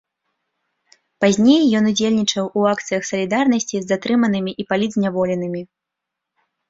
Пазней ён удзельнічаў у акцыях салідарнасці з затрыманымі і палітзняволенымі.